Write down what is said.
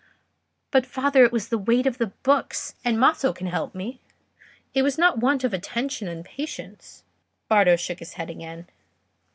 "But, father, it was the weight of the books, and Maso can help me; it was not want of attention and patience." Bardo shook his head again.